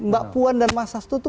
mbak puan dan mas hasto itu